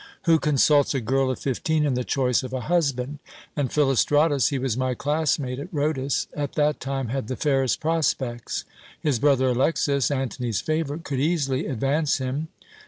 "Who consults a girl of fifteen in the choice of a husband? And Philostratus he was my classmate at Rhodus at that time had the fairest prospects. His brother Alexas, Antony's favourite, could easily advance him.